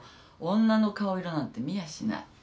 女の顔色なんて見やしない。